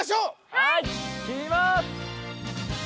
はい。